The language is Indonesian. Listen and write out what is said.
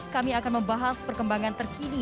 kami akan membahas perkembangan terkini